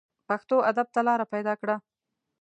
پښتو ادب ته لاره پیدا کړه